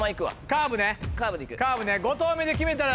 カーブね。